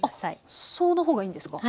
あっその方がいいんですか？